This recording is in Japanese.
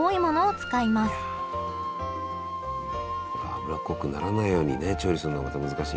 これ脂っこくならないようにね調理するのがまた難しいけど。